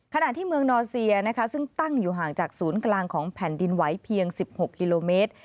ขณะที่เมืองนอร์เซียนะคะซึ่งตั้งอยู่ห่างจากศูนย์กลางของแผ่นดินไหวเพียง๑๖กิโลเมตร